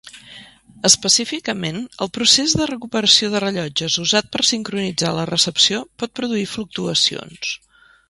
Específicament el procés de recuperació de rellotges usat per sincronitzar la recepció pot produir fluctuacions.